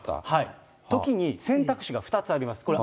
ときに、選択肢が２つあります。